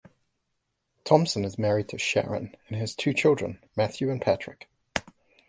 Thompson is married to Sharon and has two children, Matthew and Patrick.